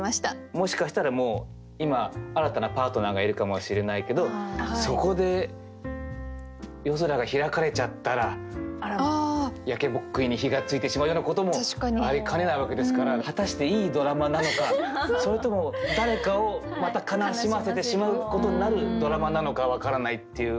もしかしたらもう今新たなパートナーがいるかもしれないけどそこで夜空が開かれちゃったら焼けぼっくいに火がついてしまうようなこともありかねないわけですから果たしていいドラマなのかそれとも誰かをまた悲しませてしまうことになるドラマなのか分からないっていうのが。